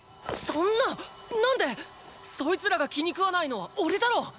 そんな何で⁉そいつらが気に食わないのはおれだろう